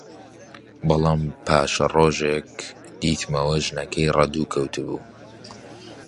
بەڵام پاشە ڕۆژێک دیتمەوە ژنەکەی ڕەدوو کەوتبوو